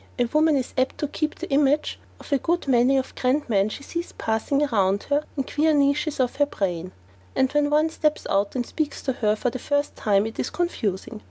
A woman is apt to keep the image of a good many of the grand men she sees passing around her in queer niches in her brain, and when one steps out and speaks to her for the first time it is confusing.